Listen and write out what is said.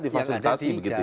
yang ada di jalan